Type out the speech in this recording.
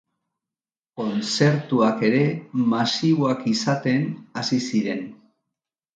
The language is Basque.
Kontzertuak ere masiboak izaten hasi ziren.